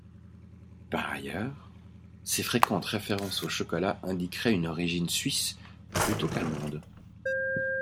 Par ailleurs, ses fréquentes références au chocolat indiqueraient une origine suisse plutôt qu'allemande.